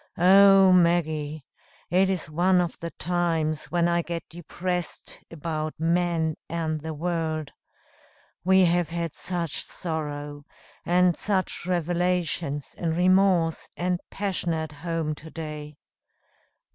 Oh, Maggie! it is one of the times when I get depressed about men and the world. We have had such sorrow, and such revelations, and remorse, and passion at home to day.